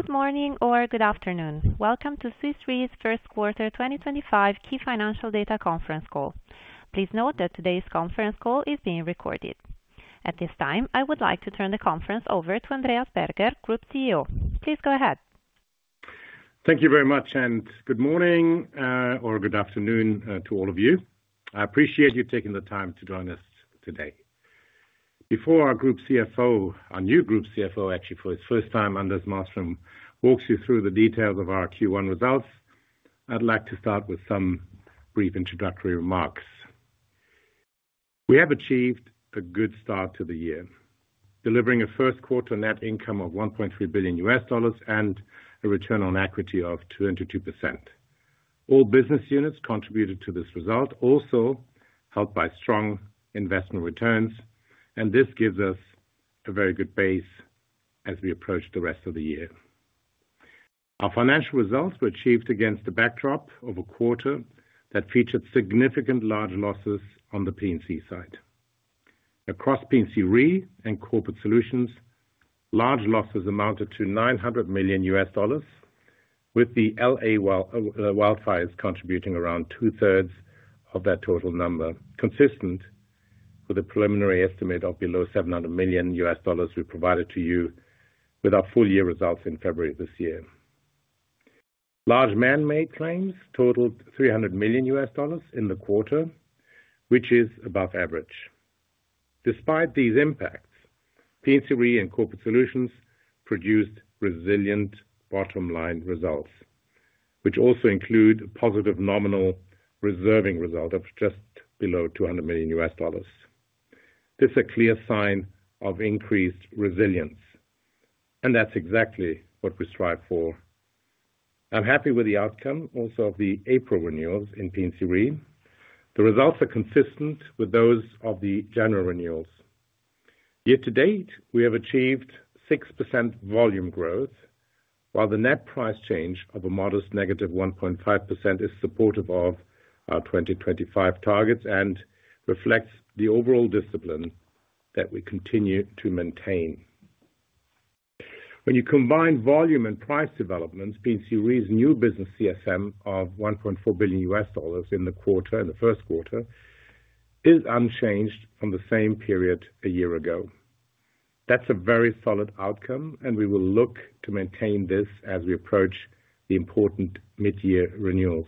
Good morning or good afternoon. Welcome to Swiss Re's first quarter 2025 key financial data conference call. Please note that today's conference call is being recorded. At this time, I would like to turn the conference over to Andreas Berger, Group CEO. Please go ahead. Thank you very much, and good morning or good afternoon to all of you. I appreciate you taking the time to join us today. Before our Group CFO, our new Group CFO, actually for his first time under his master's room, walks you through the details of our Q1 results, I'd like to start with some brief introductory remarks. We have achieved a good start to the year, delivering a first quarter net income of $1.3 billion and a return on equity of 22%. All business units contributed to this result, also helped by strong investment returns, and this gives us a very good base as we approach the rest of the year. Our financial results were achieved against a backdrop of a quarter that featured significant large losses on the P&C side. Across P&C Re and Corporate Solutions, large losses amounted to $900 million, with the Los Angeles wildfires contributing around two-thirds of that total number, consistent with a preliminary estimate of below $700 million we provided to you with our full year results in February of this year. Large manmade claims totaled $300 million in the quarter, which is above average. Despite these impacts, P&C Re and Corporate Solutions produced resilient bottom-line results, which also include a positive nominal reserving result of just below $200 million. This is a clear sign of increased resilience, and that's exactly what we strive for. I'm happy with the outcome also of the April renewals in P&C Re. The results are consistent with those of the January renewals. Yet to date, we have achieved 6% volume growth, while the net price change of a modest negative 1.5% is supportive of our 2025 targets and reflects the overall discipline that we continue to maintain. When you combine volume and price developments, P&C Re's new business CSM of $1.4 billion in the quarter, in the first quarter, is unchanged from the same period a year ago. That's a very solid outcome, and we will look to maintain this as we approach the important mid-year renewals.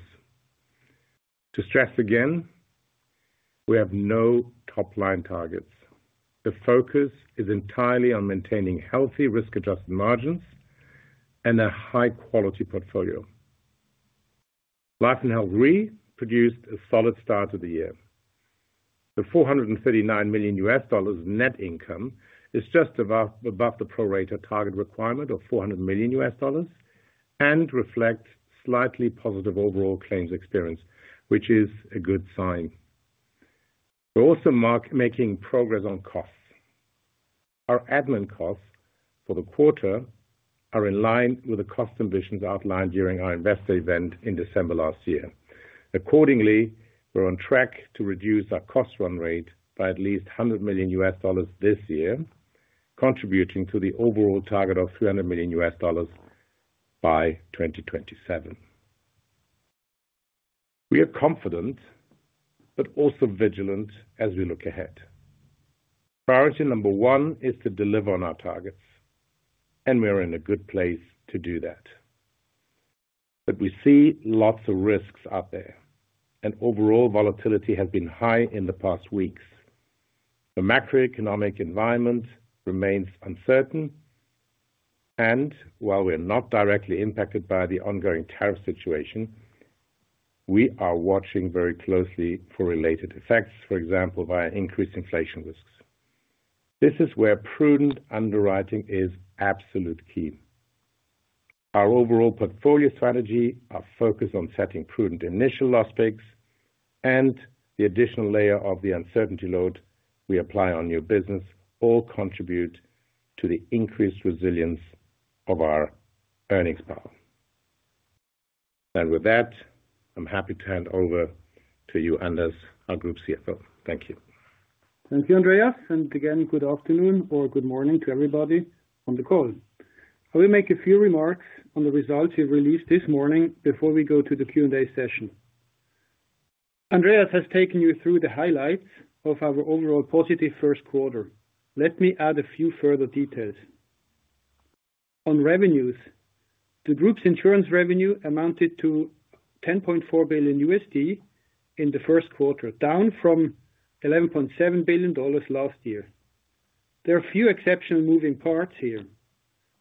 To stress again, we have no top-line targets. The focus is entirely on maintaining healthy risk-adjusted margins and a high-quality portfolio. Life and Health Re produced a solid start to the year. The $439 million net income is just above the prorator target requirement of $400 million and reflects slightly positive overall claims experience, which is a good sign. We're also making progress on costs. Our admin costs for the quarter are in line with the cost ambitions outlined during our investor event in December last year. Accordingly, we're on track to reduce our cost run rate by at least $100 million this year, contributing to the overall target of $300 million by 2027. We are confident but also vigilant as we look ahead. Priority number one is to deliver on our targets, and we're in a good place to do that. We see lots of risks out there, and overall volatility has been high in the past weeks. The macroeconomic environment remains uncertain, and while we're not directly impacted by the ongoing tariff situation, we are watching very closely for related effects, for example, via increased inflation risks. This is where prudent underwriting is absolute key. Our overall portfolio strategy, our focus on setting prudent initial loss picks, and the additional layer of the uncertainty load we apply on new business all contribute to the increased resilience of our earnings power. With that, I'm happy to hand over to you, Anders, our Group CFO. Thank you. Thank you, Andreas, and again, good afternoon or good morning to everybody on the call. I will make a few remarks on the results you have released this morning before we go to the Q&A session. Andreas has taken you through the highlights of our overall positive first quarter. Let me add a few further details. On revenues, the Group's insurance revenue amounted to $10.4 billion in the first quarter, down from $11.7 billion last year. There are a few exceptional moving parts here.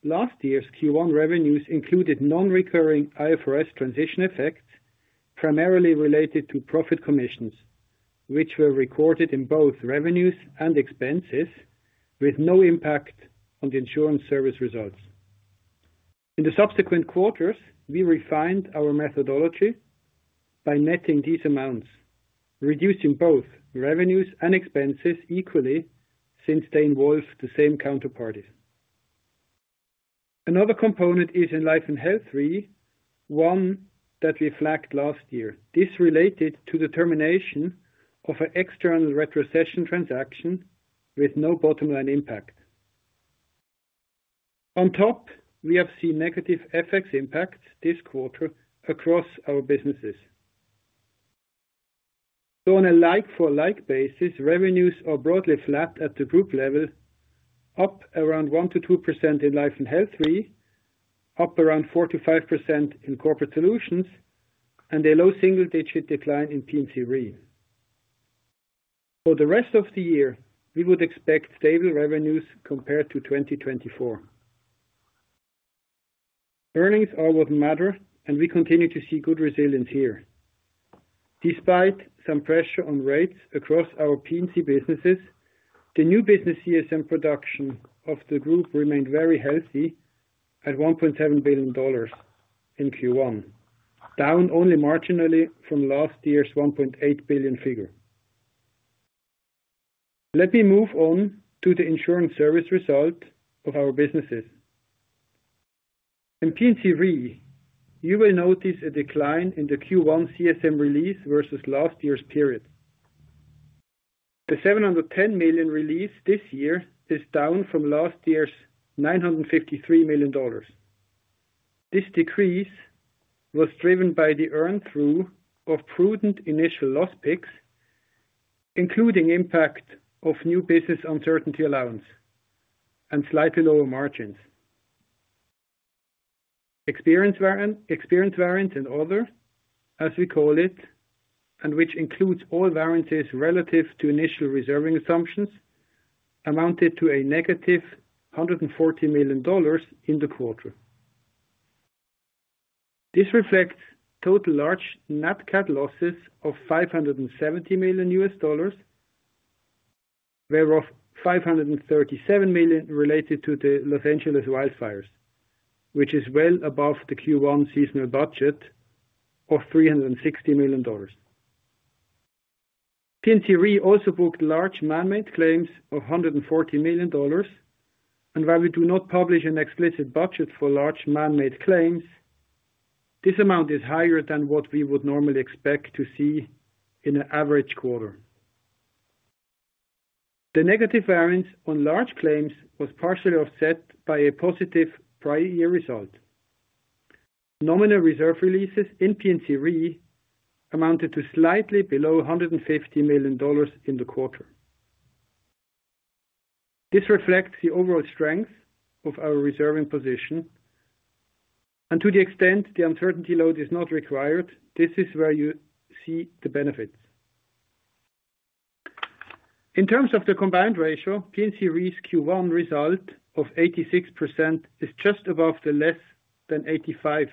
Last year's Q1 revenues included non-recurring IFRS transition effects, primarily related to profit commissions, which were recorded in both revenues and expenses, with no impact on the insurance service results. In the subsequent quarters, we refined our methodology by netting these amounts, reducing both revenues and expenses equally since they involved the same counterparty. Another component is in Life and Health Re, one that we flagged last year. This related to the termination of an external retrocession transaction with no bottom-line impact. On top, we have seen negative FX impacts this quarter across our businesses. On a like-for-like basis, revenues are broadly flat at the group level, up around 1%-2% in Life and Health Re, up around 4%-5% in Corporate Solutions, and a low single-digit decline in P&C Re. For the rest of the year, we would expect stable revenues compared to 2024. Earnings are what matter, and we continue to see good resilience here. Despite some pressure on rates across our P&C businesses, the new business CSM production of the Group remained very healthy at $1.7 billion in Q1, down only marginally from last year's $1.8 billion figure. Let me move on to the insurance service result of our businesses. In P&C Re, you will notice a decline in the Q1 CSM release versus last year's period. The $710 million release this year is down from last year's $953 million. This decrease was driven by the earn-through of prudent initial loss picks, including the impact of new business uncertainty allowance and slightly lower margins. Experience variance and other, as we call it, and which includes all variances relative to initial reserving assumptions, amounted to a negative $140 million in the quarter. This reflects total large net cat losses of $570 million, whereof $537 million related to the Los Angeles Wildfires, which is well above the Q1 seasonal budget of $360 million. P&C Re also booked large manmade claims of $140 million, and while we do not publish an explicit budget for large manmade claims, this amount is higher than what we would normally expect to see in an average quarter. The negative variance on large claims was partially offset by a positive prior year result. Nominal reserve releases in P&C Re amounted to slightly below $150 million in the quarter. This reflects the overall strength of our reserving position, and to the extent the uncertainty load is not required, this is where you see the benefits. In terms of the combined ratio, P&C Re's Q1 result of 86% is just above the less than 85%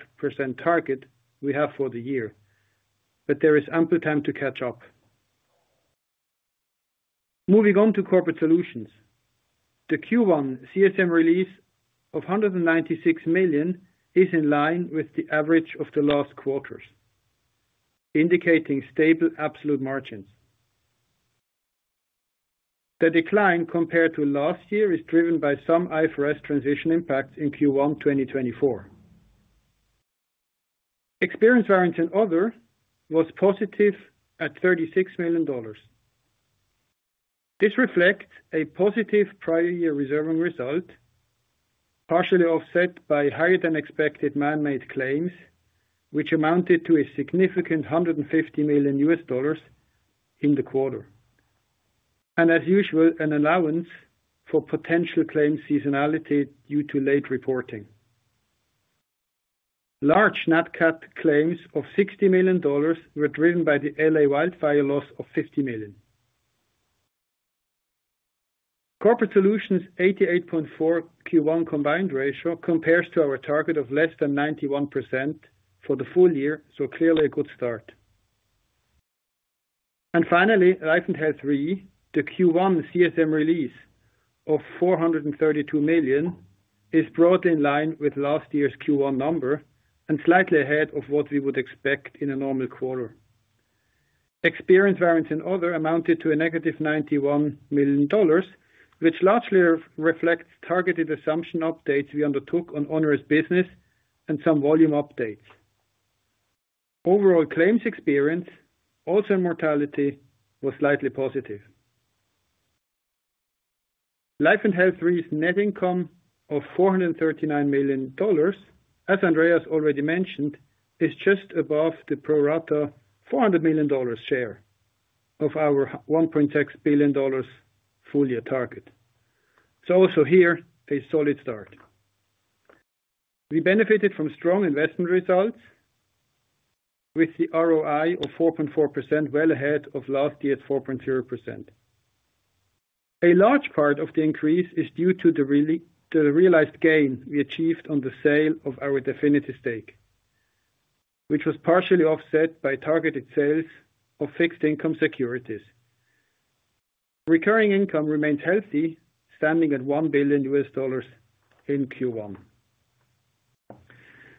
target we have for the year, but there is ample time to catch up. Moving on to Corporate Solutions, the Q1 CSM release of $196 million is in line with the average of the last quarters, indicating stable absolute margins. The decline compared to last year is driven by some IFRS transition impacts in Q1 2024. Experience variance and other was positive at $36 million. This reflects a positive prior year reserving result, partially offset by higher-than-expected manmade claims, which amounted to a significant $150 million in the quarter, and as usual, an allowance for potential claim seasonality due to late reporting. Large net cat claims of $60 million were driven by the Los Angeles Wildfire loss of $50 million. Corporate Solutions' 88.4% Q1 combined ratio compares to our target of less than 91% for the full year, so clearly a good start. Finally, Life and Health Re, the Q1 CSM release of $432 million is broadly in line with last year's Q1 number and slightly ahead of what we would expect in a normal quarter. Experience variance and other amounted to a negative $91 million, which largely reflects targeted assumption updates we undertook on onerous business and some volume updates. Overall claims experience, also in mortality, was slightly positive. Life and Health Re's net income of $439 million, as Andreas already mentioned, is just above the pro rata $400 million share of our $1.6 billion full year target. Also here, a solid start. We benefited from strong investment results with the ROI of 4.4% well ahead of last year's 4.0%. A large part of the increase is due to the realized gain we achieved on the sale of our definitive stake, which was partially offset by targeted sales of fixed income securities. Recurring income remains healthy, standing at $1 billion in Q1.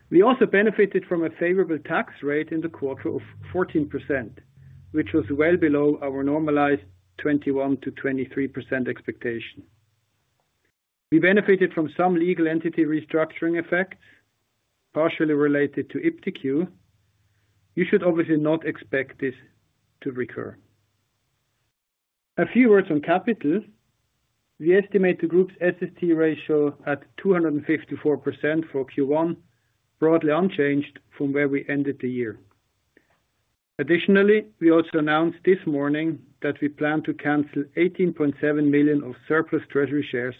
We also benefited from a favorable tax rate in the quarter of 14%, which was well below our normalized 21%-23% expectation. We benefited from some legal entity restructuring effects, partially related to IPTQ. You should obviously not expect this to recur. A few words on capital. We estimate the Group's SST ratio at 254% for Q1, broadly unchanged from where we ended the year. Additionally, we also announced this morning that we plan to cancel 18.7 million of surplus treasury shares,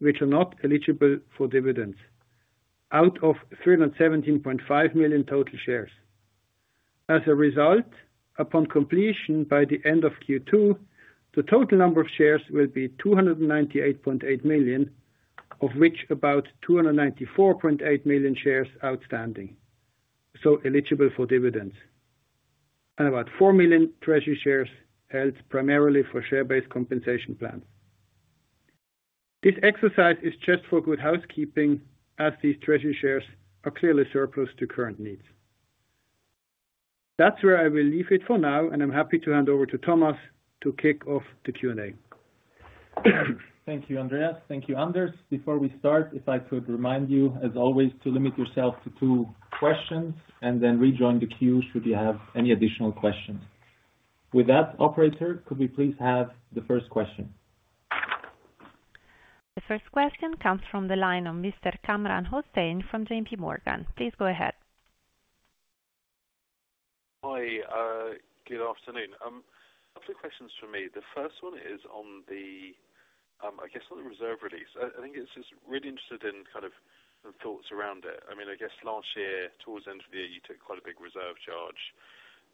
which are not eligible for dividends, out of 317.5 million total shares. As a result, upon completion by the end of Q2, the total number of shares will be 298.8 million, of which about 294.8 million shares outstanding, so eligible for dividends, and about 4 million treasury shares held primarily for share-based compensation plans. This exercise is just for good housekeeping, as these treasury shares are clearly surplus to current needs. That is where I will leave it for now, and I'm happy to hand over to Thomas to kick off the Q&A. Thank you, Andreas. Thank you, Anders. Before we start, if I could remind you, as always, to limit yourself to two questions and then rejoin the queue should you have any additional questions. With that, operator, could we please have the first question? The first question comes from the line of Mr. Kamran Hossain from J.P. Morgan. Please go ahead. Hi, good afternoon. A couple of questions for me. The first one is on the, I guess, on the reserve release. I think it's just really interested in kind of the thoughts around it. I mean, I guess last year, towards the end of the year, you took quite a big reserve charge.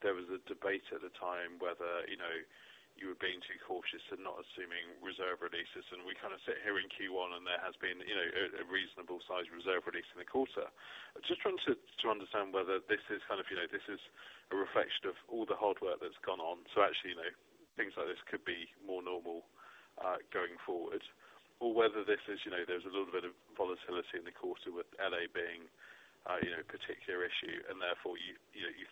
There was a debate at the time whether you were being too cautious in not assuming reserve releases, and we kind of sit here in Q1, and there has been a reasonable size reserve release in the quarter. I'm just trying to understand whether this is kind of, this is a reflection of all the hard work that's gone on. Actually, things like this could be more normal going forward, or whether this is, there's a little bit of volatility in the quarter with Los Angeles being a particular issue, and therefore, you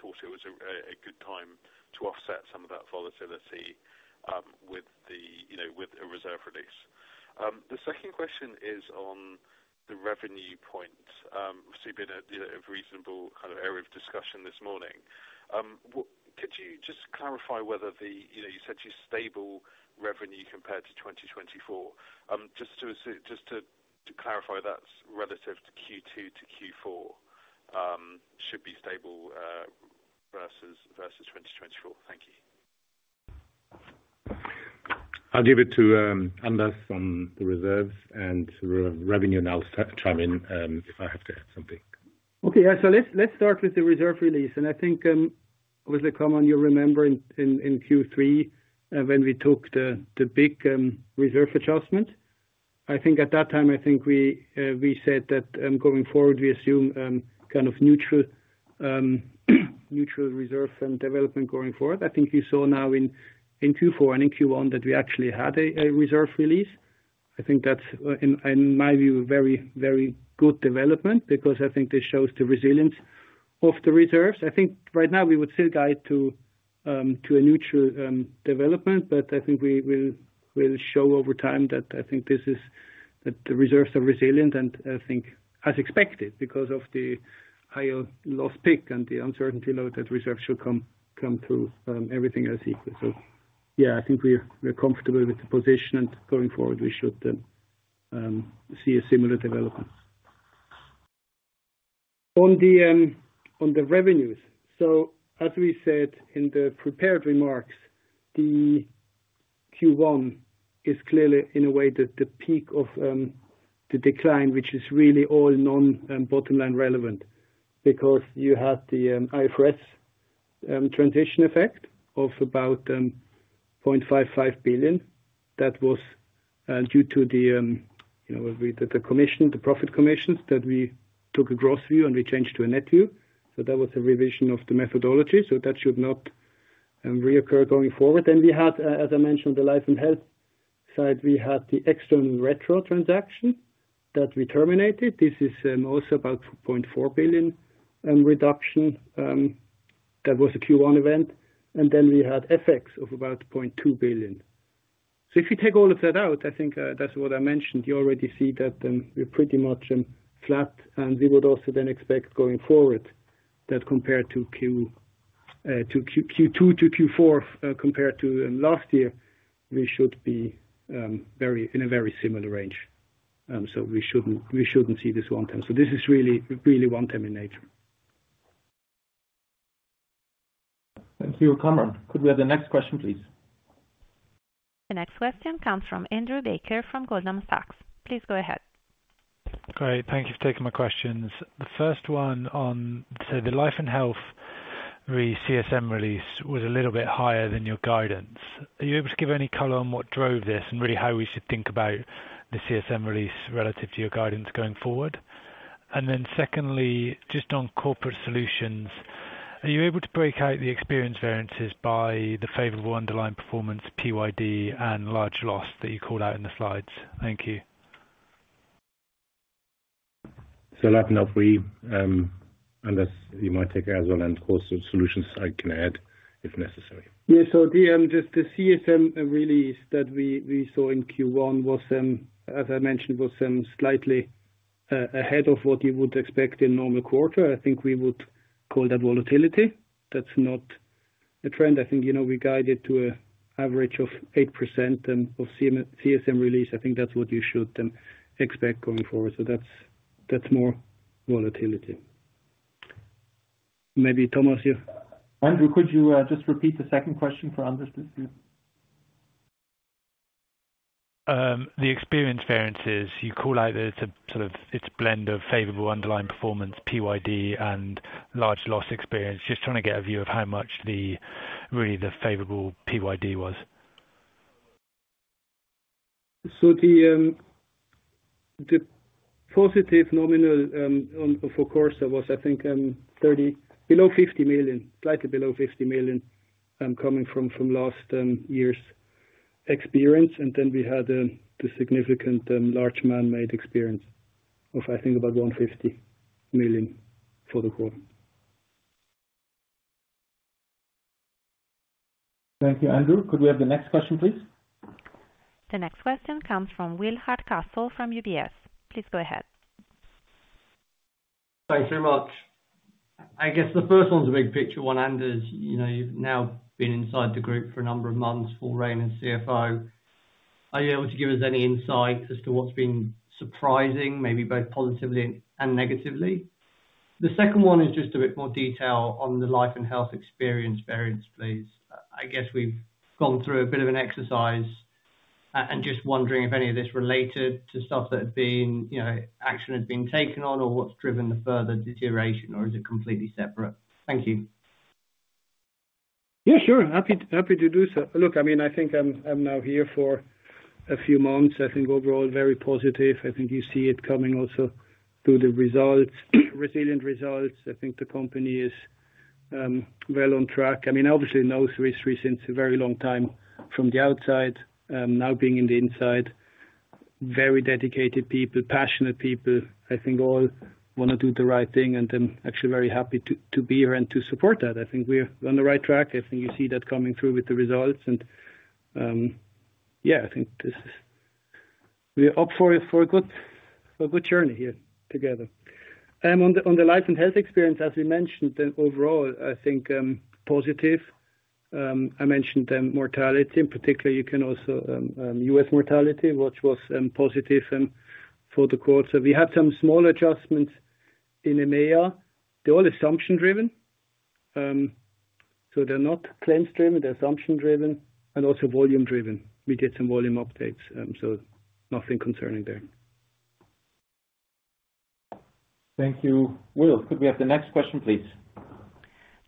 thought it was a good time to offset some of that volatility with a reserve release. The second question is on the revenue points. It's been a reasonable kind of area of discussion this morning. Could you just clarify whether you said you're stable revenue compared to 2024? Just to clarify, that's relative to Q2 to Q4, should be stable versus 2024. Thank you. I'll give it to Anders on the reserves and revenue. I'll chime in if I have to add something. Okay, yeah, so let's start with the reserve release, and I think, with the comment you remember in Q3 when we took the big reserve adjustment, I think at that time, I think we said that going forward, we assume kind of neutral reserve and development going forward. I think you saw now in Q4 and in Q1 that we actually had a reserve release. I think that's, in my view, a very, very good development because I think this shows the resilience of the reserves. I think right now we would still guide to a neutral development, but I think we will show over time that I think the reserves are resilient and I think as expected because of the higher loss pick and the uncertainty load that reserves should come through everything else equally. Yeah, I think we're comfortable with the position, and going forward, we should see a similar development. On the revenues, as we said in the prepared remarks, Q1 is clearly, in a way, the peak of the decline, which is really all non-bottom-line relevant because you had the IFRS transition effect of about $0.55 billion that was due to the profit commissions that we took a gross view and we changed to a net view. That was a revision of the methodology, so that should not reoccur going forward. We had, as I mentioned, on the Life and Health side, the external retro transaction that we terminated. This is also about $0.4 billion reduction. That was a Q1 event, and we had FX of about $0.2 billion. If you take all of that out, I think that's what I mentioned, you already see that we're pretty much flat, and we would also then expect going forward that compared to Q2 to Q4 compared to last year, we should be in a very similar range. We shouldn't see this one time. This is really, really one time in nature. Thank you, Kamran. Could we have the next question, please? The next question comes from Andrew Baker from Goldman Sachs. Please go ahead. Great. Thank you for taking my questions. The first one on, say, the Life and Health Re CSM release was a little bit higher than your guidance. Are you able to give any color on what drove this and really how we should think about the CSM release relative to your guidance going forward? Secondly, just on Corporate Solutions, are you able to break out the experience variances by the favorable underlying performance, PYD, and large loss that you called out in the slides? Thank you. I'll have enough read, and you might take it as well. Of course, solutions I can add if necessary. Yeah, so the CSM release that we saw in Q1 was, as I mentioned, was slightly ahead of what you would expect in a normal quarter. I think we would call that volatility. That's not a trend. I think we guided to an average of 8% of CSM release. I think that's what you should expect going forward. That's more volatility. Maybe Thomas, you. Andrew, could you just repeat the second question for Anders? The experience variances, you call out that it's a sort of blend of favorable underlying performance, PYD, and large loss experience. Just trying to get a view of how much really the favorable PYD was. The positive nominal for Corsa was, I think, below $50 million, slightly below $50 million coming from last year's experience. Then we had the significant large manmade experience of, I think, about $150 million for the quarter. Thank you, Andrew. Could we have the next question, please? The next question comes from Will Hardcastle from UBS. Please go ahead. Thanks very much. I guess the first one's a big picture one, Anders. You've now been inside the group for a number of months, full reign as CFO. Are you able to give us any insight as to what's been surprising, maybe both positively and negatively? The second one is just a bit more detail on the life and health experience variance, please. I guess we've gone through a bit of an exercise and just wondering if any of this related to stuff that had been action had been taken on or what's driven the further deterioration, or is it completely separate? Thank you. Yeah, sure. Happy to do so. Look, I mean, I think I'm now here for a few months. I think overall, very positive. I think you see it coming also through the results, resilient results. I think the company is well on track. I mean, obviously, knows Swiss Re since a very long time from the outside. Now being on the inside, very dedicated people, passionate people. I think all want to do the right thing and then actually very happy to be here and to support that. I think we're on the right track. I think you see that coming through with the results. Yeah, I think we opt for a good journey here together. On the Life and Health experience, as we mentioned, overall, I think positive. I mentioned mortality in particular. You can also see U.S. mortality, which was positive for the quarter. We had some small adjustments in EMEA. They're all assumption-driven. They're not claims-driven. They're assumption-driven and also volume-driven. We did some volume updates, so nothing concerning there. Thank you. Will, could we have the next question, please?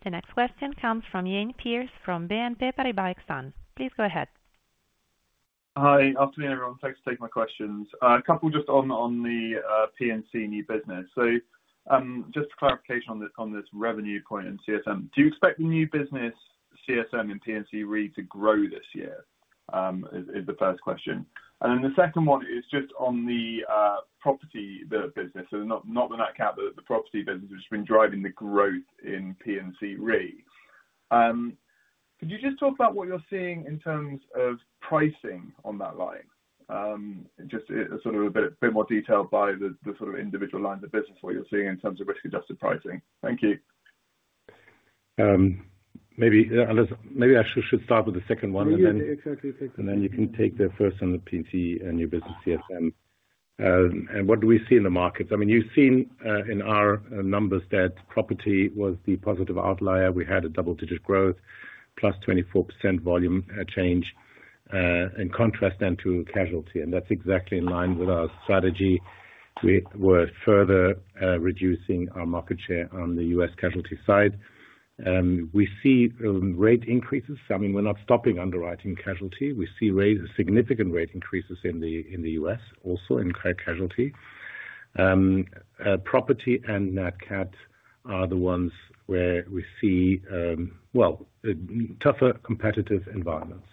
The next question comes from Iain Pearce from BNP Paribas Exane. Please go ahead. Hi, afternoon, everyone. Thanks for taking my questions. A couple just on the P&C new business. Just a clarification on this revenue point in CSM. Do you expect the new business CSM and P&C Re to grow this year? Is the first question. The second one is just on the property business. Not the NatCat, but the property business has been driving the growth in P&C Re. Could you just talk about what you're seeing in terms of pricing on that line? Just sort of a bit more detail by the sort of individual lines of business, what you're seeing in terms of risk-adjusted pricing. Thank you. Maybe I should start with the second one. Exactly. You can take the first on the P&C and new business CSM. What do we see in the markets? I mean, you've seen in our numbers that property was the positive outlier. We had double-digit growth, plus 24% volume change, in contrast then to casualty. That's exactly in line with our strategy. We were further reducing our market share on the U.S. casualty side. We see rate increases. I mean, we're not stopping underwriting casualty. We see significant rate increases in the U.S., also in casualty. Property and NatCat are the ones where we see, tougher competitive environments.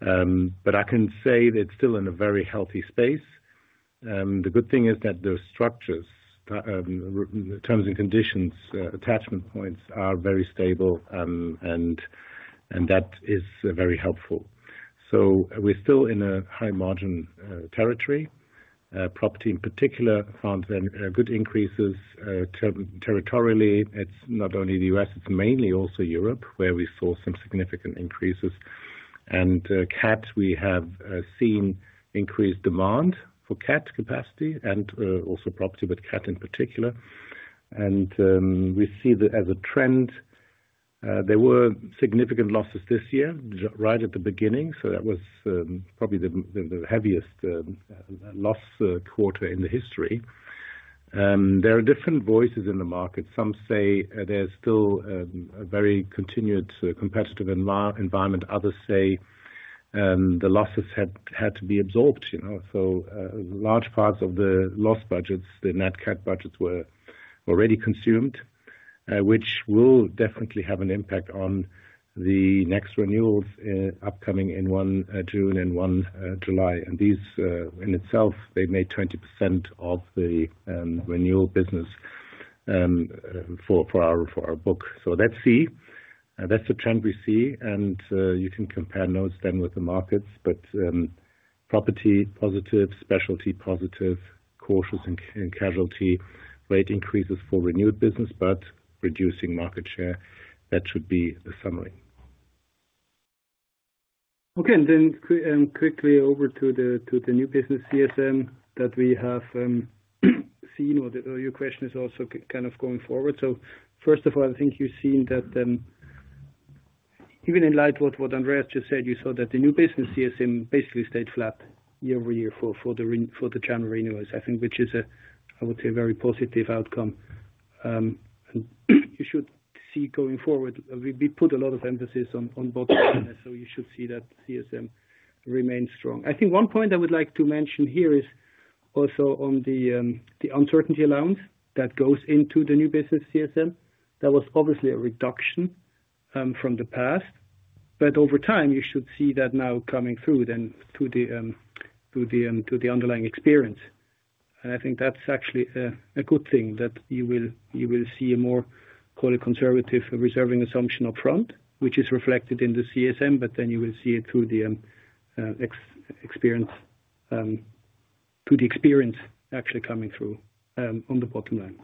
I can say that it's still in a very healthy space. The good thing is that those structures, terms and conditions, attachment points are very stable, and that is very helpful. We're still in a high-margin territory. Property, in particular, found good increases territorially. It's not only the U.S., it's mainly also Europe, where we saw some significant increases. In cat, we have seen increased demand for cat capacity and also property, but cat in particular. We see that as a trend. There were significant losses this year right at the beginning. That was probably the heaviest loss quarter in the history. There are different voices in the market. Some say there's still a very continued competitive environment. Others say the losses had to be absorbed. Large parts of the loss budgets, the NatCat budgets, were already consumed, which will definitely have an impact on the next renewals upcoming in June and one July. These in itself, they made 20% of the renewal business for our book. Let's see. That's the trend we see. You can compare notes then with the markets, property positive, specialty positive, cautious in casualty, rate increases for renewed business, but reducing market share. That should be the summary. Okay. Then quickly over to the new business CSM that we have seen, or your question is also kind of going forward. First of all, I think you've seen that even in light of what Andreas just said, you saw that the new business CSM basically stayed flat year over year for the January renewals, I think, which is, I would say, a very positive outcome. You should see going forward, we put a lot of emphasis on bottom line. You should see that CSM remain strong. I think one point I would like to mention here is also on the uncertainty allowance that goes into the new business CSM. That was obviously a reduction from the past, but over time, you should see that now coming through then through the underlying experience. I think that's actually a good thing that you will see a more conservative reserving assumption upfront, which is reflected in the CSM, but then you will see it through the experience actually coming through on the bottom line.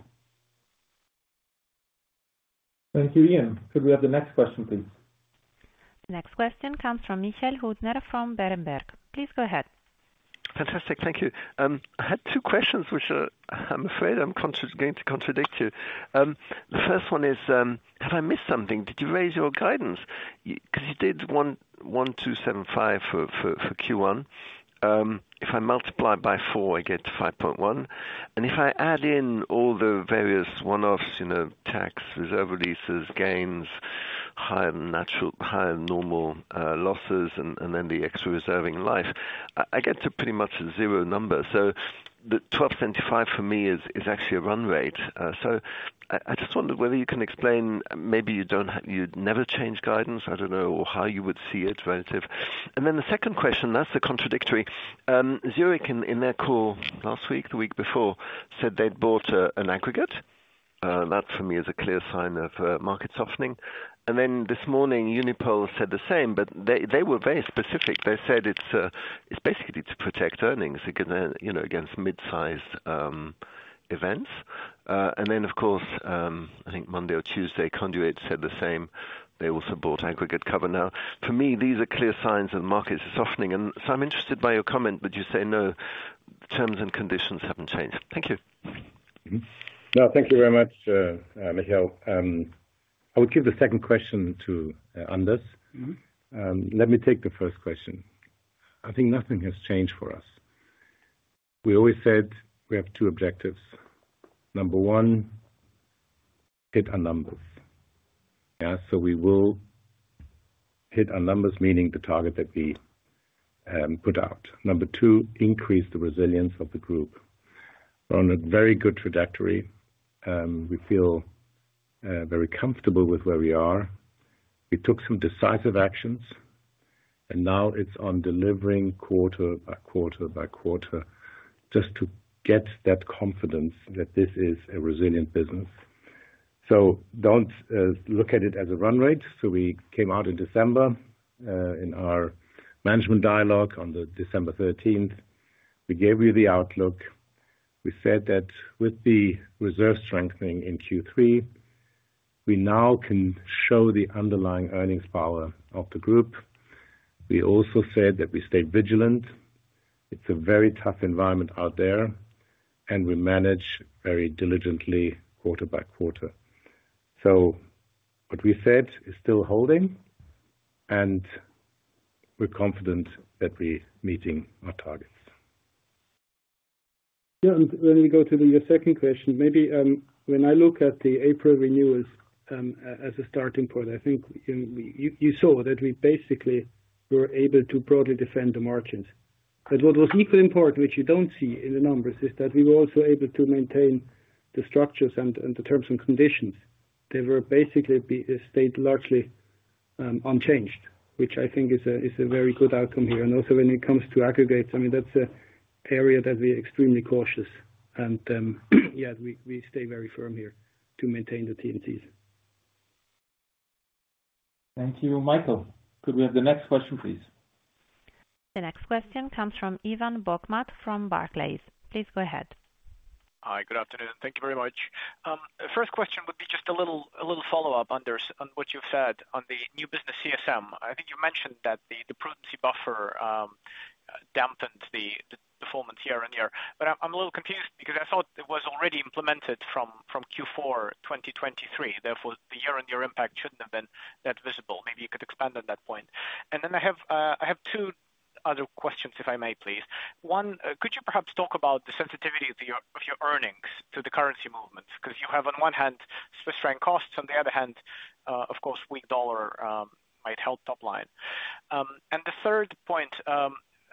Thank you, Iain. Could we have the next question, please? The next question comes from Michael Huttner from Berenberg. Please go ahead. Fantastic. Thank you. I had two questions, which I'm afraid I'm going to contradict you. The first one is, have I missed something? Did you raise your guidance? Because you did $1,275 for Q1. If I multiply by 4, I get $5.1 billion. And if I add in all the various one-offs, tax reserve releases, gains, higher normal losses, and then the extra reserving life, I get to pretty much a zero number. So the $1,275 for me is actually a run rate. I just wondered whether you can explain, maybe you never change guidance, I do not know, or how you would see it relative. The second question, that's the contradictory. Zurich, in their call last week, the week before, said they'd bought an aggregate. That for me is a clear sign of market softening. This morning, Unipol said the same, but they were very specific. They said it's basically to protect earnings against mid-sized events. Then, of course, I think Monday or Tuesday, Conduent said the same. They also bought aggregate cover. Now, for me, these are clear signs of markets softening. I am interested by your comment, but you say no, terms and conditions have not changed. Thank you. No, thank you very much, Michael. I would give the second question to Anders. Let me take the first question. I think nothing has changed for us. We always said we have two objectives. Number one, hit our numbers. We will hit our numbers, meaning the target that we put out. Number two, increase the resilience of the group. We're on a very good trajectory. We feel very comfortable with where we are. We took some decisive actions, and now it's on delivering quarter by quarter by quarter just to get that confidence that this is a resilient business. Do not look at it as a run rate. We came out in December in our management dialogue on December 13th. We gave you the outlook. We said that with the reserve strengthening in Q3, we now can show the underlying earnings power of the group. We also said that we stay vigilant. It is a very tough environment out there, and we manage very diligently quarter by quarter. What we said is still holding, and we are confident that we are meeting our targets. Yeah. When we go to your second question, maybe when I look at the April renewals as a starting point, I think you saw that we basically were able to broadly defend the margins. What was equally important, which you do not see in the numbers, is that we were also able to maintain the structures and the terms and conditions. They basically stayed largely unchanged, which I think is a very good outcome here. Also, when it comes to aggregates, I mean, that is an area that we are extremely cautious. Yeah, we stay very firm here to maintain the T&Cs. Thank you, Michael. Could we have the next question, please? The next question comes from Ivan Bokhmat from Barclays. Please go ahead. Hi, good afternoon. Thank you very much. First question would be just a little follow-up on what you've said on the new business CSM. I think you mentioned that the prudency buffer dampened the performance year on year. I'm a little confused because I thought it was already implemented from Q4 2023. Therefore, the year-on-year impact shouldn't have been that visible. Maybe you could expand on that point. I have two other questions, if I may, please. One, could you perhaps talk about the sensitivity of your earnings to the currency movements? Because you have, on one hand, Swiss franc costs. On the other hand, of course, weak dollar might help top line. The third point,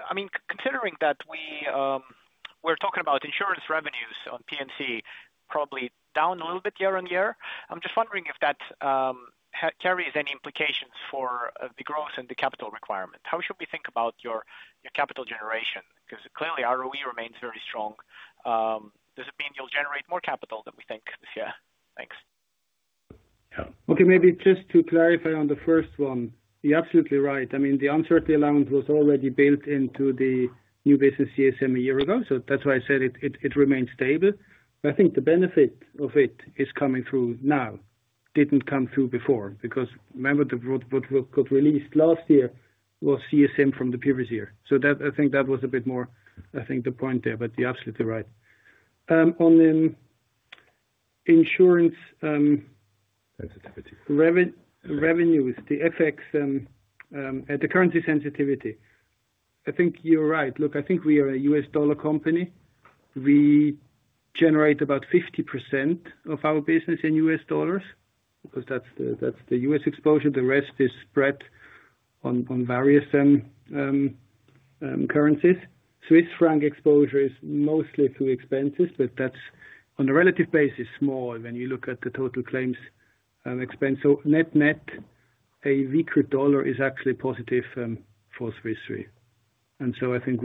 I mean, considering that we're talking about insurance revenues on P&C probably down a little bit year on year, I'm just wondering if that carries any implications for the growth and the capital requirement. How should we think about your capital generation? Because clearly, ROE remains very strong. Does it mean you'll generate more capital than we think this year? Thanks. Yeah. Okay. Maybe just to clarify on the first one, you're absolutely right. I mean, the uncertainty allowance was already built into the new business CSM a year ago. That's why I said it remained stable. I think the benefit of it is coming through now, did not come through before. Remember what got released last year was CSM from the previous year. I think that was a bit more, I think, the point there. You're absolutely right. On insurance. Sensitivity. Revenues, the FX, the currency sensitivity. I think you're right. Look, I think we are a U.S. dollar company. We generate about 50% of our business in U.S. dollars because that's the U.S. exposure. The rest is spread on various currencies. Swiss franc exposure is mostly through expenses, but that's on a relative basis small when you look at the total claims expense. Net net, a weaker dollar is actually positive for Swiss Re. I think,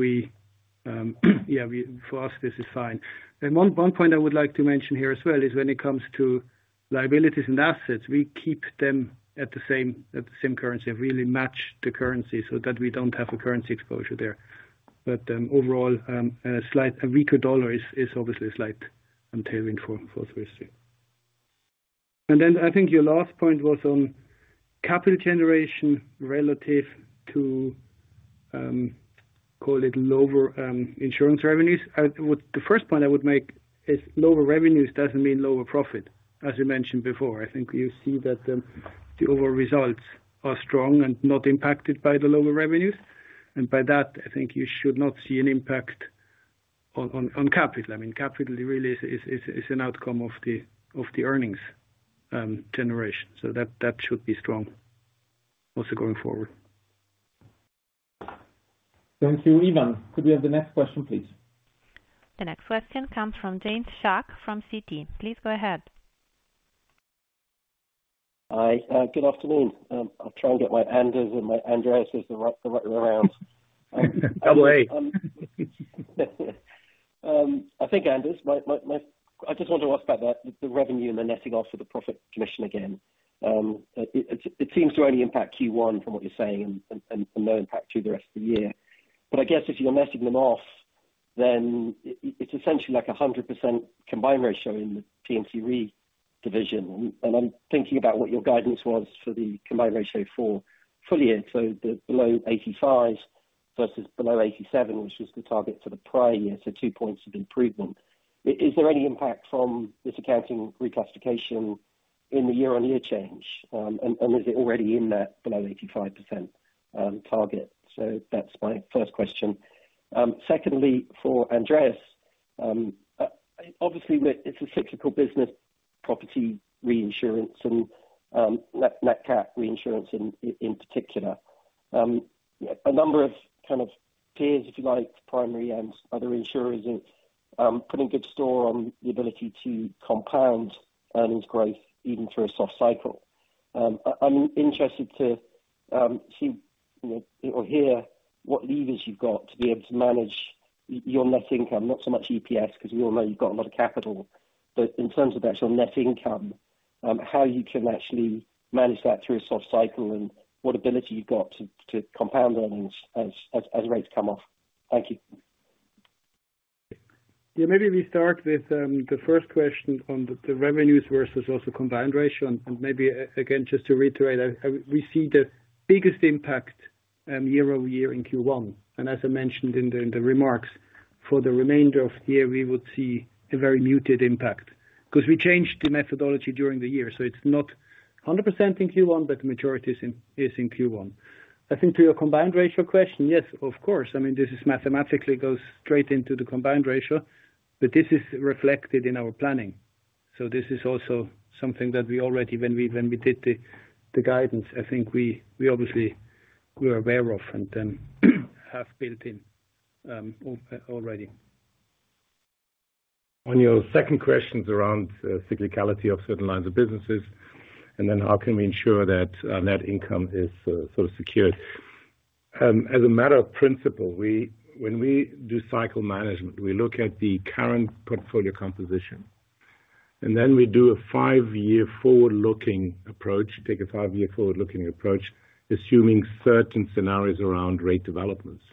yeah, for us, this is fine. One point I would like to mention here as well is when it comes to liabilities and assets, we keep them at the same currency, really match the currency so that we don't have a currency exposure there. Overall, a weaker dollar is obviously a slight [I'm telling] for Swiss Re. I think your last point was on capital generation relative to, call it, lower insurance revenues. The first point I would make is lower revenues does not mean lower profit, as you mentioned before. I think you see that the overall results are strong and not impacted by the lower revenues. By that, I think you should not see an impact on capital. I mean, capital really is an outcome of the earnings generation. That should be strong also going forward. Thank you, Ivan. Could we have the next question, please? The next question comes from James Shuck from Citi. Please go ahead. Hi. Good afternoon. I'll try and get my Anders and my Andreas the right way around. Double A. I think, Anders, I just want to ask about the revenue and the netting off of the profit commission again. It seems to only impact Q1 from what you're saying and no impact through the rest of the year. I guess if you're netting them off, then it's essentially like a 100% combined ratio in the P&C Re division. I'm thinking about what your guidance was for the combined ratio for full year. Below 85% versus below 87%, which was the target for the prior year, so two percentage points of improvement. Is there any impact from this accounting reclassification in the year-on-year change? Is it already in that below 85% target? That's my first question. Secondly, for Andreas, obviously, it's a cyclical business, property reinsurance, and NatCat reinsurance in particular. A number of kind of tiers, if you like, primary and other insurers, are putting good store on the ability to compound earnings growth even through a soft cycle. I'm interested to see or hear what levers you've got to be able to manage your net income, not so much EPS, because we all know you've got a lot of capital. In terms of actual net income, how you can actually manage that through a soft cycle and what ability you've got to compound earnings as rates come off. Thank you. Yeah. Maybe we start with the first question on the revenues versus also combined ratio. And maybe again, just to reiterate, we see the biggest impact year over year in Q1. And as I mentioned in the remarks, for the remainder of the year, we would see a very muted impact because we changed the methodology during the year. So it's not 100% in Q1, but the majority is in Q1. I think to your combined ratio question, yes, of course. I mean, this is mathematically goes straight into the combined ratio, but this is reflected in our planning. So this is also something that we already, when we did the guidance, I think we obviously were aware of and have built in already. On your second question around the cyclicality of certain lines of businesses and then how can we ensure that net income is sort of secured. As a matter of principle, when we do cycle management, we look at the current portfolio composition. We do a five-year forward-looking approach, take a five-year forward-looking approach, assuming certain scenarios around rate developments.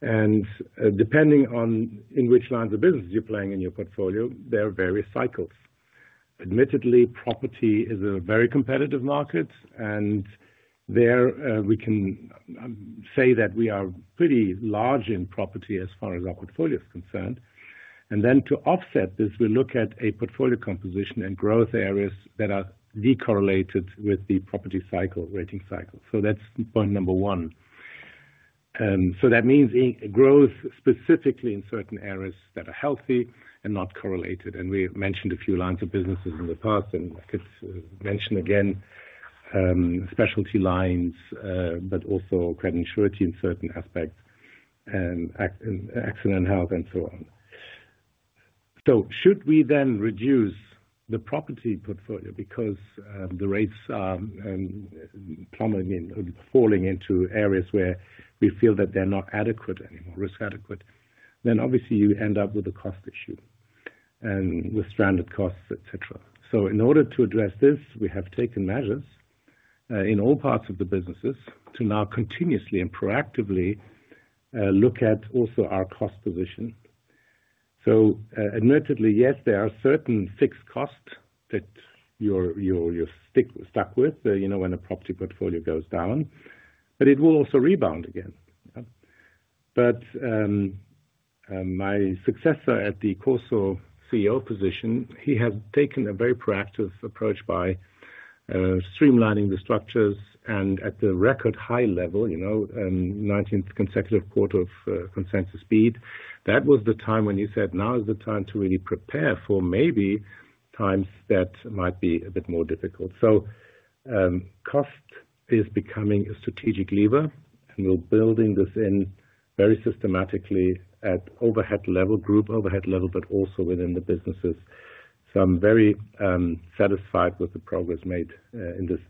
Depending on in which lines of business you're playing in your portfolio, there are various cycles. Admittedly, property is a very competitive market, and there we can say that we are pretty large in property as far as our portfolio is concerned. To offset this, we look at a portfolio composition and growth areas that are decorrelated with the property cycle rating cycle. That's point number one. That means growth specifically in certain areas that are healthy and not correlated. We mentioned a few lines of businesses in the past, and I could mention again specialty lines, but also credit insurance in certain aspects, accident health, and so on. Should we then reduce the property portfolio because the rates are falling into areas where we feel that they're not adequate anymore, risk adequate, then obviously you end up with a cost issue and with stranded costs, etc. In order to address this, we have taken measures in all parts of the businesses to now continuously and proactively look at also our cost position. Admittedly, yes, there are certain fixed costs that you're stuck with when a property portfolio goes down, but it will also rebound again. My successor at the COSO CEO position, he has taken a very proactive approach by streamlining the structures and at the record high level, 19th consecutive quarter of consensus speed. That was the time when you said, "Now is the time to really prepare for maybe times that might be a bit more difficult." Cost is becoming a strategic lever, and we're building this in very systematically at overhead level, group overhead level, but also within the businesses. I'm very satisfied with the progress made in this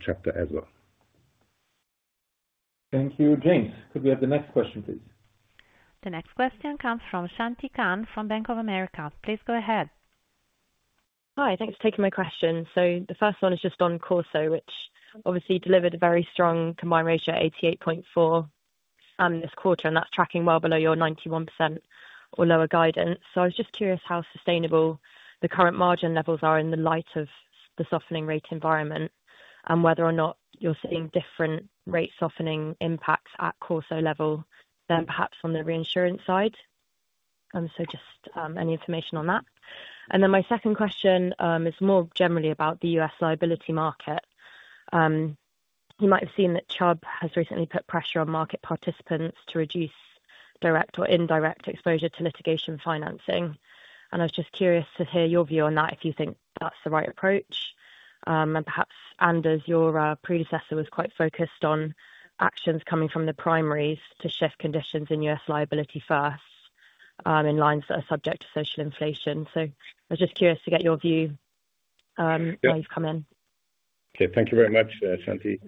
chapter as well. Thank yo u, James. Could we have the next question, please? The next question comes from Shanti Khan from Bank of America. Please go ahead. Hi. Thanks for taking my question. The first one is just on COSO, which obviously delivered a very strong combined ratio at 88.4% this quarter, and that's tracking well below your 91% or lower guidance. I was just curious how sustainable the current margin levels are in the light of the softening rate environment and whether or not you're seeing different rate softening impacts at COSO level than perhaps on the reinsurance side. Just any information on that. My second question is more generally about the U.S. liability market. You might have seen that Chubb has recently put pressure on market participants to reduce direct or indirect exposure to litigation financing. I was just curious to hear your view on that if you think that's the right approach. Perhaps, Anders, your predecessor was quite focused on actions coming from the primaries to shift conditions in U.S. liability first in lines that are subject to social inflation. I was just curious to get your view while you have come in. Okay. Thank you very much, Shanti.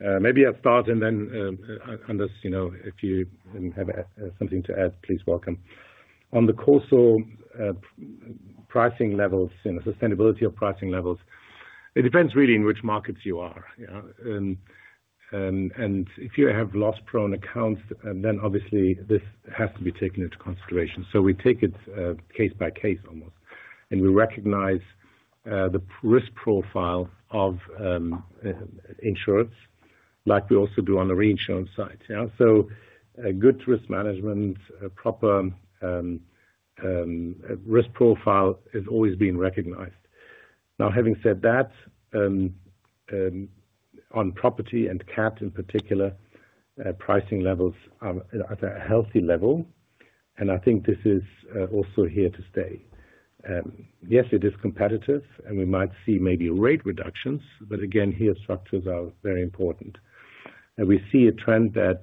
Maybe I'll start, and then Anders, if you have something to add, please welcome. On the COSO pricing levels, sustainability of pricing levels, it depends really in which markets you are. If you have loss-prone accounts, then obviously this has to be taken into consideration. We take it case by case almost. We recognize the risk profile of insurance like we also do on the reinsurance side. Good risk management, proper risk profile is always being recognized. Now, having said that, on property and cap in particular, pricing levels are at a healthy level. I think this is also here to stay. Yes, it is competitive, and we might see maybe rate reductions. Again, here structures are very important. We see a trend that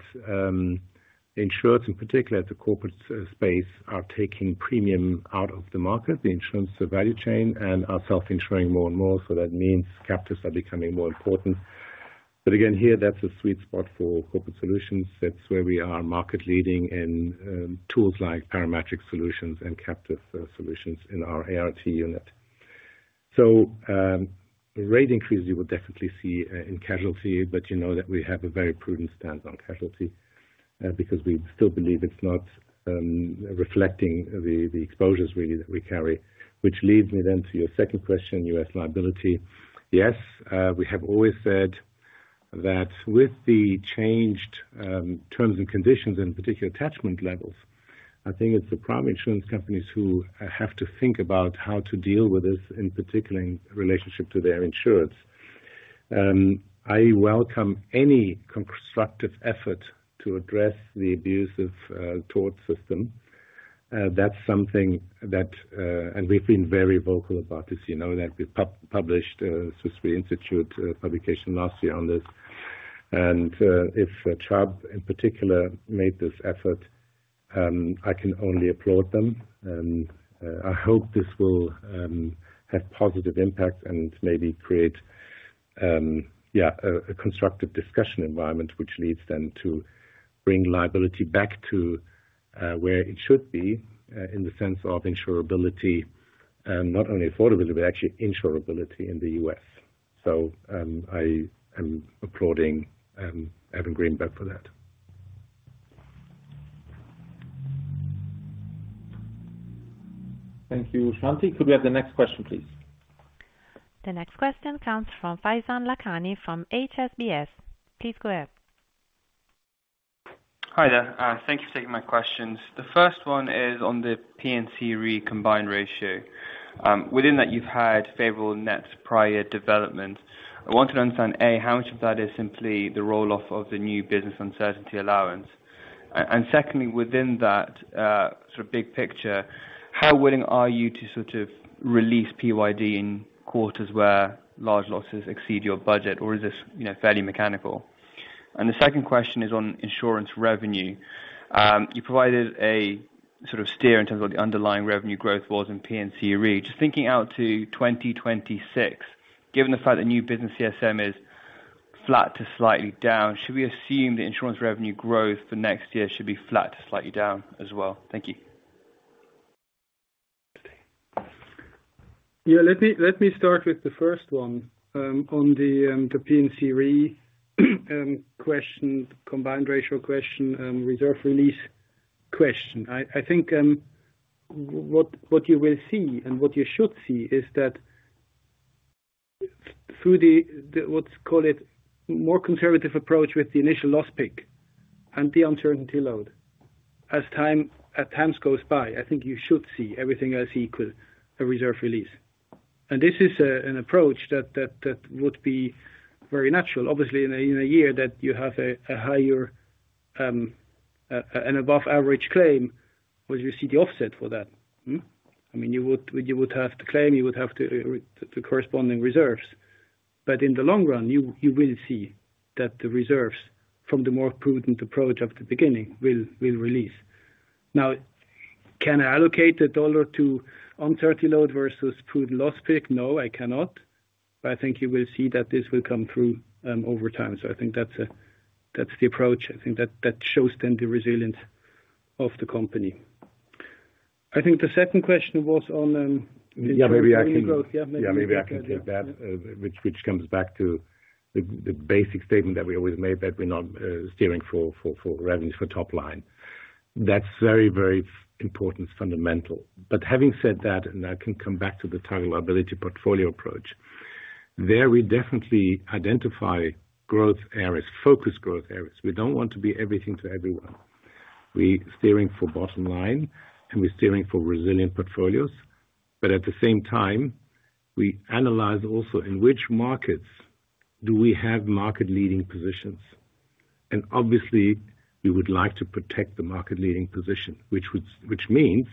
insurance, in particular at the corporate space, are taking premium out of the market, the insurance value chain, and are self-insuring more and more. That means captives are becoming more important. Again, here, that's a sweet spot for Corporate Solutions. That's where we are market-leading in tools like Parametric Solutions and Captive Solutions in our ART unit. Rate increases, you would definitely see in casualty, but you know that we have a very prudent stance on casualty because we still believe it's not reflecting the exposures really that we carry. Which leads me then to your second question, U.S. liability. Yes, we have always said that with the changed terms and conditions and particular attachment levels, I think it's the prime insurance companies who have to think about how to deal with this in particular in relationship to their insurance. I welcome any constructive effort to address the abusive tort system. That's something that, and we've been very vocal about this, you know that we published a Swiss Re Institute publication last year on this. If Chubb in particular made this effort, I can only applaud them. I hope this will have positive impact and maybe create, yeah, a constructive discussion environment, which leads then to bring liability back to where it should be in the sense of insurability, not only affordability, but actually insurability in the U.S. I am applauding Evan Greenberg for that. Thank you, Shanti. Could we have the next question, please? The next question comes from Faizan Lakhani from HSBC. Please go ahead. Hi there. Thank you for taking my questions. The first one is on the P&C Re combined ratio. Within that, you've had favorable net prior development. I want to understand, A, how much of that is simply the roll-off of the new business uncertainty allowance? Secondly, within that sort of big picture, how willing are you to sort of release PYD in quarters where large losses exceed your budget, or is this fairly mechanical? The second question is on insurance revenue. You provided a sort of steer in terms of what the underlying revenue growth was in P&C Re. Just thinking out to 2026, given the fact that new business CSM is flat to slightly down, should we assume that insurance revenue growth for next year should be flat to slightly down as well? Thank you. Yeah. Let me start with the first one on the P&C Re question, combined ratio question, reserve release question. I think what you will see and what you should see is that through the, let's call it, more conservative approach with the initial loss pick and the uncertainty load, as time goes by, I think you should see everything as equal, a reserve release. This is an approach that would be very natural. Obviously, in a year that you have a higher, an above-average claim, you see the offset for that. I mean, you would have to claim, you would have to the corresponding reserves. In the long run, you will see that the reserves from the more prudent approach of the beginning will release. Now, can I allocate the dollar to uncertainty load versus prudent loss pick? No, I cannot. I think you will see that this will come through over time. I think that is the approach. I think that shows then the resilience of the company. I think the second question was on. Yeah, maybe I can take that, which comes back to the basic statement that we always made that we're not steering for revenues for top line. That's very, very important, fundamental. Having said that, I can come back to the target liability portfolio approach, there we definitely identify growth areas, focus growth areas. We don't want to be everything to everyone. We're steering for bottom line, and we're steering for resilient portfolios. At the same time, we analyze also in which markets do we have market-leading positions. Obviously, we would like to protect the market-leading position, which means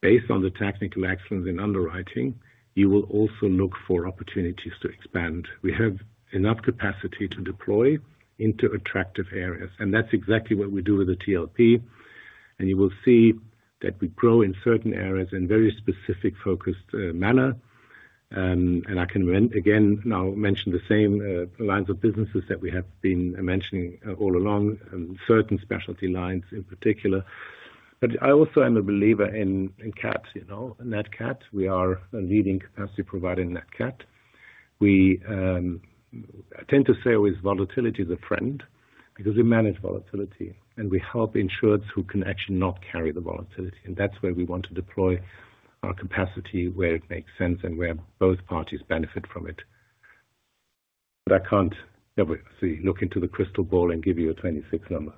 based on the technical excellence in underwriting, you will also look for opportunities to expand. We have enough capacity to deploy into attractive areas. That's exactly what we do with the TLP. You will see that we grow in certain areas in a very specific focused manner. I can again now mention the same lines of businesses that we have been mentioning all along, certain specialty lines in particular. I also am a believer in CAT, NatCat. We are a leading capacity provider in NatCat. We tend to say always volatility is a friend because we manage volatility, and we help insurers who can actually not carry the volatility. That is where we want to deploy our capacity where it makes sense and where both parties benefit from it. I cannot obviously look into the crystal ball and give you a 2026 number.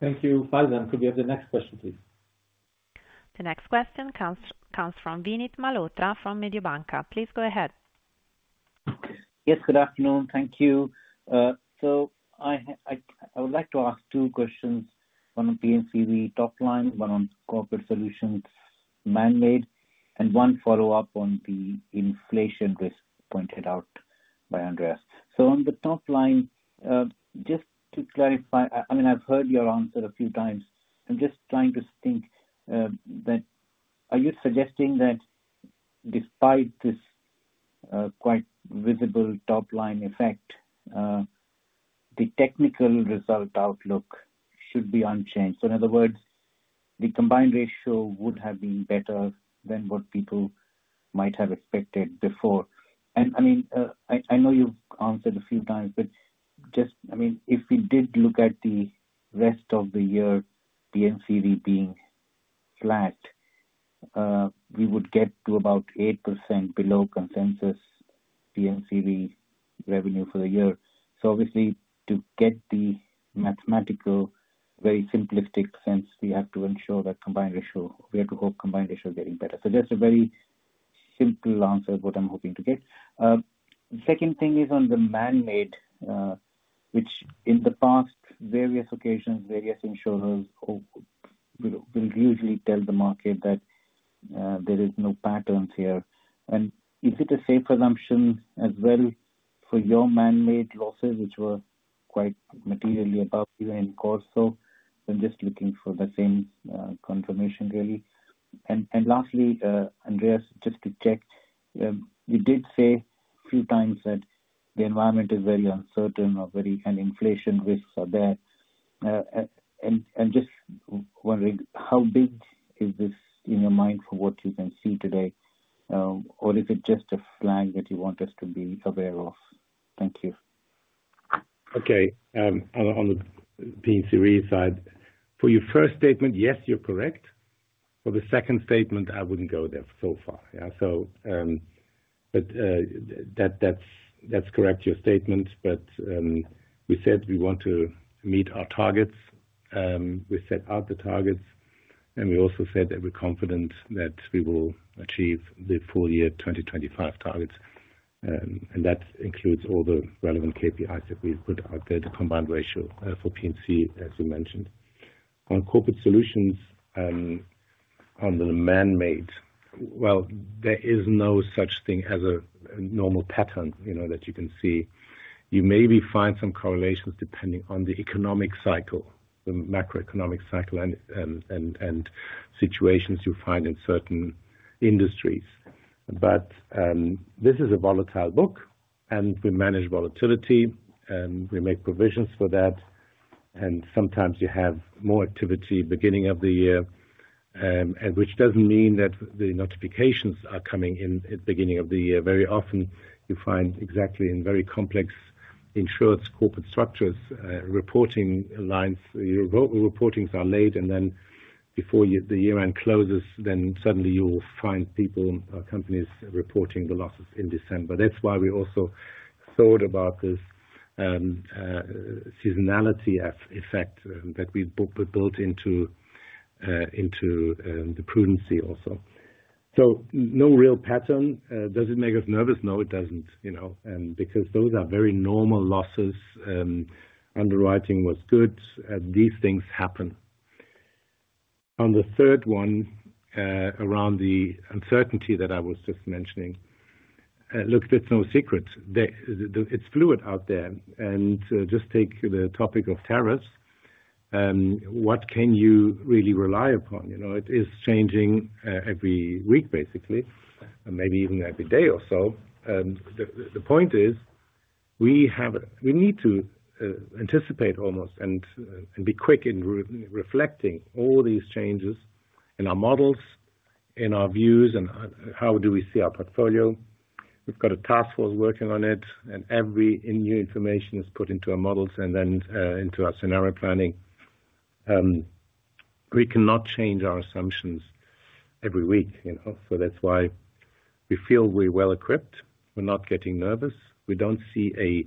Thank you. Faizan, could we have the next question, please? The next question comes from Vinit Malhotra from Mediobanca. Please go ahead. Yes, good afternoon. Thank you. I would like to ask two questions, one on P&C Re top line, one on Corporate Solutions man-made, and one follow-up on the inflation risk pointed out by Andreas. On the top line, just to clarify, I mean, I've heard your answer a few times. I'm just trying to think that are you suggesting that despite this quite visible top line effect, the technical result outlook should be unchanged? In other words, the combined ratio would have been better than what people might have expected before. I mean, I know you've answered a few times, but just, I mean, if we did look at the rest of the year, P&C Re being flat, we would get to about 8% below consensus P&C Re revenue for the year. Obviously, to get the mathematical very simplistic sense, we have to ensure that combined ratio, we have to hope combined ratio is getting better. Just a very simple answer of what I'm hoping to get. The second thing is on the man-made, which in the past, various occasions, various insurers will usually tell the market that there is no patterns here. Is it a safe assumption as well for your man-made losses, which were quite materially above even in COSO? I'm just looking for the same confirmation, really. Lastly, Andreas, just to check, you did say a few times that the environment is very uncertain or very and inflation risks are there. Just wondering, how big is this in your mind for what you can see today? Or is it just a flag that you want us to be aware of? Thank you. Okay. On the P&C Re side, for your first statement, yes, you're correct. For the second statement, I wouldn't go there so far. Yeah. That's correct, your statement. We said we want to meet our targets. We set out the targets. We also said that we're confident that we will achieve the full year 2025 targets. That includes all the relevant KPIs that we put out there, the combined ratio for P&C, as you mentioned. On Corporate Solutions, on the man-made, there is no such thing as a normal pattern that you can see. You maybe find some correlations depending on the economic cycle, the macroeconomic cycle and situations you find in certain industries. This is a volatile book, and we manage volatility. We make provisions for that. Sometimes you have more activity at the beginning of the year, which does not mean that the notifications are coming in at the beginning of the year. Very often, you find exactly in very complex insurance corporate structures, reporting lines, your reportings are late. Before the year-end closes, suddenly you will find people or companies reporting the losses in December. That is why we also thought about this seasonality effect that we built into the prudency also. No real pattern. Does it make us nervous? No, it does not. Because those are very normal losses. Underwriting was good. These things happen. On the third one, around the uncertainty that I was just mentioning, look, there is no secret. It is fluid out there. Just take the topic of tariffs. What can you really rely upon? It is changing every week, basically, maybe even every day or so. The point is we need to anticipate almost and be quick in reflecting all these changes in our models, in our views, and how do we see our portfolio. We've got a task force working on it, and every new information is put into our models and then into our scenario planning. We cannot change our assumptions every week. That is why we feel we're well equipped. We're not getting nervous. We don't see a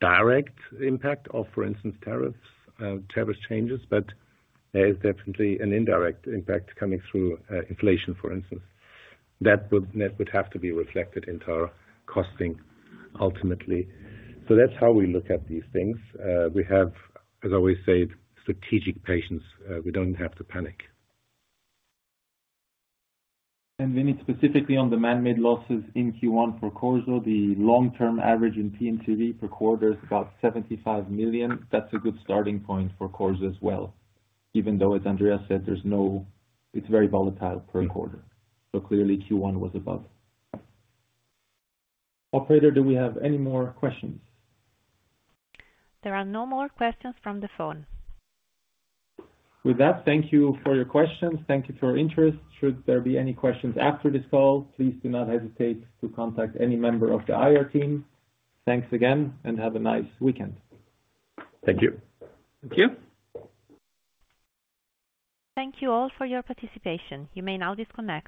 direct impact of, for instance, tariffs, tariff changes, but there is definitely an indirect impact coming through inflation, for instance. That would have to be reflected into our costing ultimately. That is how we look at these things. We have, as I always say, strategic patience. We don't have to panic. Vinit, specifically on the man-made losses in Q1 for COSO, the long-term average in P&C Re per quarter is about $75 million. That is a good starting point for COSO as well, even though, as Andreas said, it is very volatile per quarter. Clearly, Q1 was above. Operator, do we have any more questions? There are no more questions from the phone. With that, thank you for your questions. Thank you for your interest. Should there be any questions after this call, please do not hesitate to contact any member of the IR team. Thanks again, and have a nice weekend. Thank you. Thank you. Thank you all for your participation. You may now disconnect.